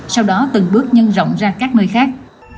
sau đó từng bước nhân rộng ra các nơi khác